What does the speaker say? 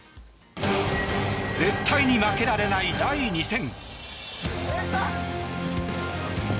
絶対に負けられない第２戦。